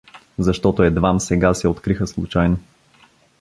— Защото едвам сега се откриха случайно.